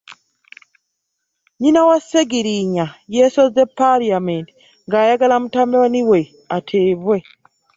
Nnyina wa Ssegirinnya yeesozze paalamenti ng'ayagala mutabani we ateebwe.